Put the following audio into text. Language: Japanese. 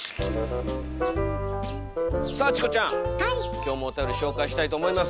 今日もおたより紹介したいと思います。